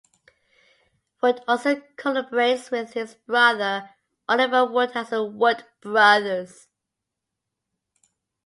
Wood also collaborates with his brother Oliver Wood as The Wood Brothers.